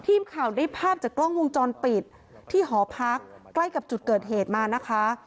ทีมข่าวได้ภาพจากกล้องวงจรปิดที่หอพักใกล้กับจุดเกิดเหตุมานะคะ